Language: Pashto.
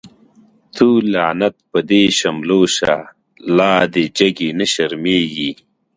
تو لعنت په دی شملو شه، لادی جگی نه شرمیږی